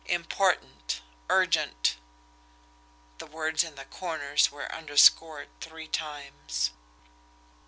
IMPORTANT. URGENT. The words in the corners were underscored three times.